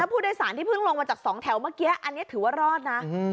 แล้วผู้โดยสารที่พึ่งลงมาจากสองแถวเมื่อกี้อันเนี้ยถือว่ารอดน่ะอืม